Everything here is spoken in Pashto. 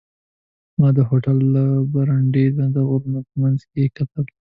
ما د هوټل له برنډې د غرونو په منځ کې کتل.